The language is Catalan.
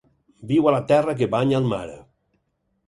Viu a la terra que banya el mar.